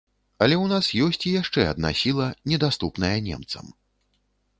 Але ў нас ёсць і яшчэ адна сіла, недаступная немцам.